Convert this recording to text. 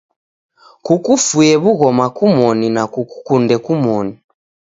Kukufuye w'ughoma kumoni na kukukunde kumoni.